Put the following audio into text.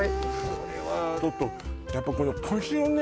これはちょっとやっぱこのコシをね